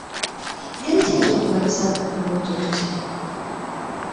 Ngeri ki ez'okumanyisaamu pulojekiti?